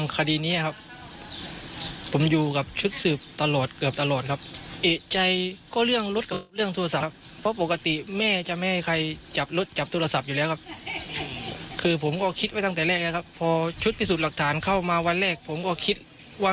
ข้าวมาวันแรกผมก็คิดว่า